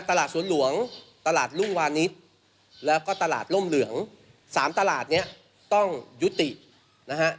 ตลาดสวนหลวงตลาดรุ่งวานิสแล้วก็ตลาดร่มเหลืองสามตลาดเนี้ยต้องยุตินะฮะ